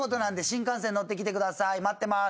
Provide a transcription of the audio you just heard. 待ってます。